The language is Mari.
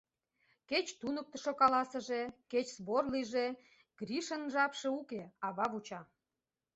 Кеч туныктышо каласыже, кеч сбор лийже, Гришын жапше уке: ава вуча.